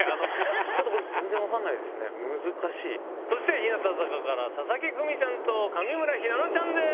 そして日向坂から佐々木久美ちゃんと上村ひなのちゃんです。